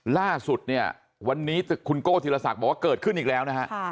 ล่าสุดเนี่ยวันนี้คุณโก้ธีรศักดิ์บอกว่าเกิดขึ้นอีกแล้วนะฮะ